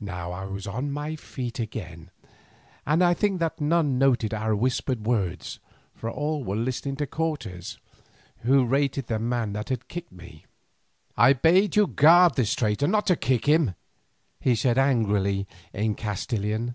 Now I was on my feet again, and I think that none noted our whispered words, for all were listening to Cortes, who rated the man that had kicked me. "I bade you guard this traitor, not to kick him," he said angrily in Castilian.